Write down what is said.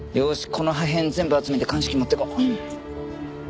この破片全部集めて鑑識に持っていこう。